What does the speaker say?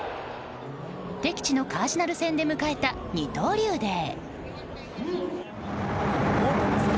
敵地のカージナルス戦で迎えた二刀流デー。